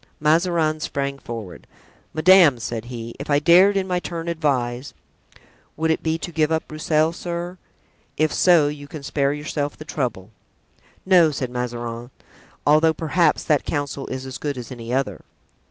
Mazarin sprang forward. "Madame," said he, "if I dared in my turn advise——" "Would it be to give up Broussel, sir? If so, you can spare yourself the trouble." "No," said Mazarin; "although, perhaps, that counsel is as good as any other."